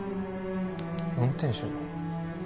運転手に？